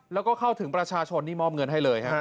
แล้วก็เข้าถึงประชาชนนี่มอบเงินให้เลยฮะ